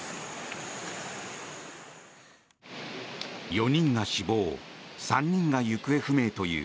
４人が死亡３人が行方不明という